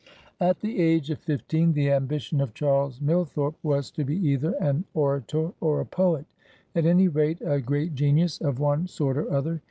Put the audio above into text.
At the age of fifteen, the ambition of Charles Millthorpe was to be either an orator, or a poet; at any rate, a great genius of one sort or other.